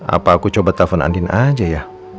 apa aku coba telepon andin aja ya